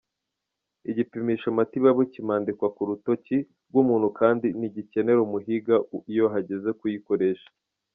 Igipimisho Matibabu kimadikwa ku rutoke rw'umuntu kandi ntigikenera umuhinga iyo hageze kuyikoresha.